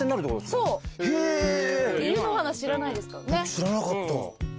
知らなかった。